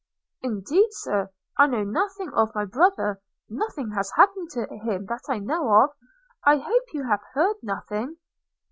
– 'Indeed, Sir, I know nothing of my brother; nothing has happened to him that I know of – I hope you have heard nothing?'